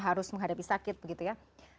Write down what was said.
harus menghadapi sakit begitu ya